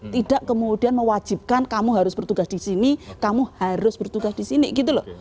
tidak kemudian mewajibkan kamu harus bertugas di sini kamu harus bertugas di sini gitu loh